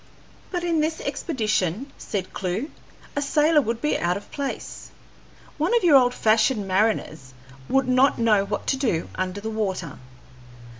"But in this expedition," said Clewe, "a sailor would be out of place. One of your old fashioned mariners would not know what to do under the water.